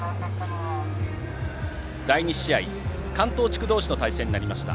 第２試合、関東地区同士の対戦となりました。